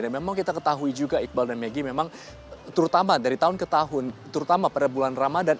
dan memang kita ketahui juga iqbal dan maggie memang terutama dari tahun ke tahun terutama pada bulan ramadhan